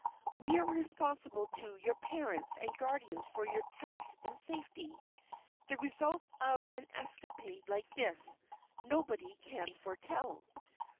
We are responsible to your parents and guardians for your health and safety. The result of an escapade like this nobody can foretell.